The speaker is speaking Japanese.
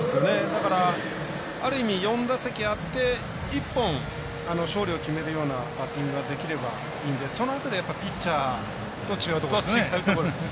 だから、ある意味４打席あって１本勝利を決めるようなバッティングができればいいのでその辺りはピッチャーと違うところですね。